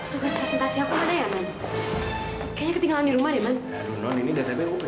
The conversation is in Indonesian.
tugas presentasi aku ada ya kayaknya tinggal di rumah